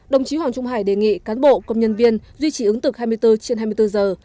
đồng chí hoàng trung hải đề nghị cán bộ công nhân viên duy trì ứng trực hai mươi bốn trên hai mươi bốn giờ